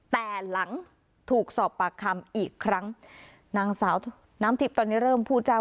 แต่หลังถูกสอบปากคำอีกครั้งนางสาวน้ำทิพย์ตอนนี้เริ่มพูดเจ้า